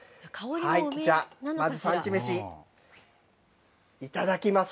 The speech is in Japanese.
じゃあ、まず産地めし、いただきます。